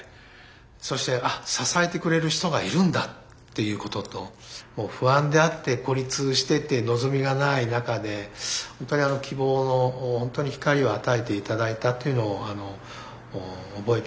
そして「あっ支えてくれる人がいるんだ」っていうことと不安であって孤立してて望みがない中でほんとに希望の光を与えて頂いたというのを覚えています。